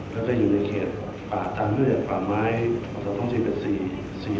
แล้วก็อยู่ในเขตป่าตามเครือป่าไม้อัตรธรรม๔๘๔